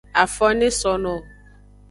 Afo ne so no wo.